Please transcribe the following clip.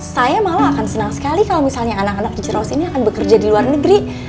saya malah akan senang sekali kalau misalnya anak anak di jeros ini akan bekerja di luar negeri